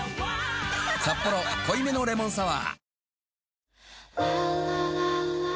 「サッポロ濃いめのレモンサワー」